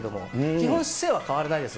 基本姿勢は変わらないです。